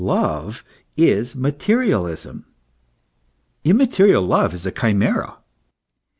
Love is materialism ; immaterial love is a chimsera.